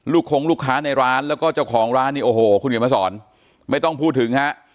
คงลูกค้าในร้านแล้วก็เจ้าของร้านนี่โอ้โหคุณเขียนมาสอนไม่ต้องพูดถึงฮะ